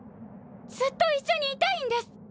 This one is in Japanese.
ずっと一緒にいたいんです。